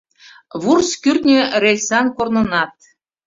Вурс-кӱртньӧ рельсан корнынат;